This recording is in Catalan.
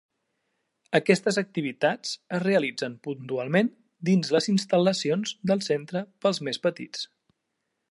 Aquestes activitats es realitzen puntualment dins les instal·lacions del centre pels més petits.